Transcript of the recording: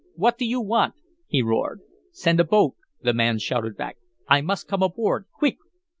"What do you want?" he roared. "Send a boat," the man shouted back. "I must come aboard. Quick!"